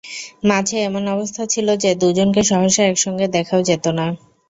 মাঝে এমন অবস্থা ছিল যে, দুজনকে সহসা একসঙ্গে দেখাও যেত না।